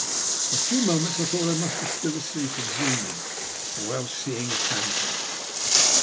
For a few moments I thought I must be still asleep and dream ing, or else seeing a phantom.